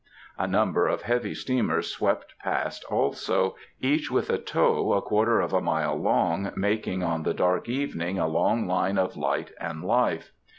A number of heavy steamers swept past also, each with a tow a quarter of a mile long, making on the dark evening a long line of light and life.